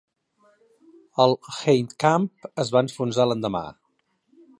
El "Heidkamp" es va enfonsar l'endemà.